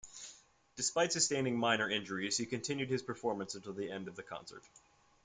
Despite sustaining minor injuries, he continued his performance until the end of the concert.